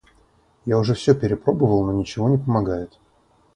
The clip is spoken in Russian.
Я уже всё перепробовал, но ничего не помогает.